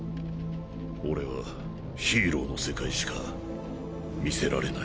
俺はヒーローの世界しか見せられない。